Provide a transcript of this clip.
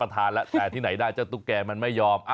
ทานแล้วแต่ที่ไหนได้เจ้าตุ๊กแก่มันไม่ยอม